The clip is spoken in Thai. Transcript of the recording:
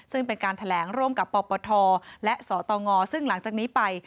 ซึ่งเป็นการแถลงร่วมกับปปทและสตงซึ่งหลังจากนี้ไป